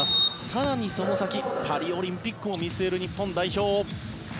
更にその先、パリオリンピックも見据える日本代表。